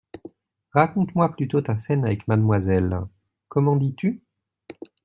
Raconte-moi plutôt ta scène avec mademoiselle … comment dis-tu ?